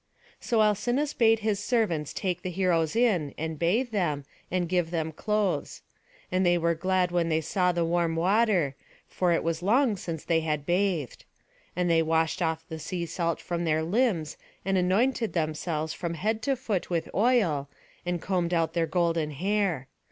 So Alcinous bade the servants take the heroes in, and bathe them, and give them clothes. And they were glad when they saw the warm water, for it was long since they had bathed. And they washed off the sea salt from their limbs, and anointed themselves from head to foot with oil, and combed out their golden hair.